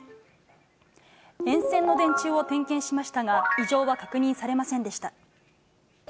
沿線の電柱を点検しましたが、異常は確認されませんでした。